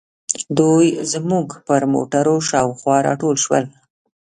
دوی زموږ پر موټرو شاوخوا راټول شول.